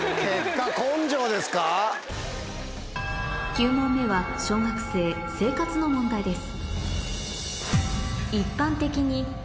９問目は小学生生活の問題です